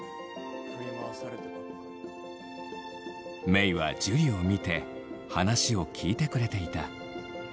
メイは樹を見て話を聞いてくれていた。